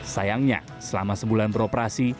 sayangnya selama sebulan beroperasi